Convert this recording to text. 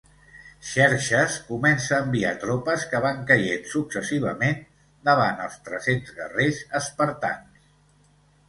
Xerxes comença a enviar tropes que van caient successivament davant els tres-cents guerrers espartans.